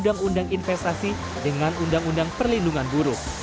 jika menyatukan undang undang investasi dengan undang undang perlindungan buruk